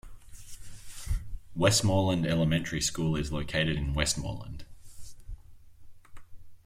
Westmoreland Elementary School is located in Westmoreland.